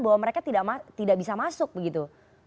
bahwa mereka tidak bisa masuk begitu